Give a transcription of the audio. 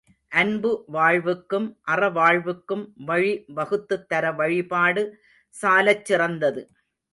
அன்பு வாழ்வுக்கும் அறவாழ்வுக்கும் வழி வகுத்துத் தர வழிபாடு சாலச் சிறந்தது.